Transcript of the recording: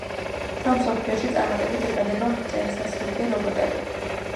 მთელ მსოფლიოში წარმატებით იყიდება მტვერსასრუტი რობოტები.